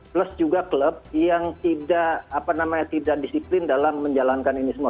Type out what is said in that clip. plus juga klub yang tidak disiplin dalam menjalankan ini semua